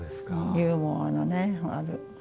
ユーモアのある。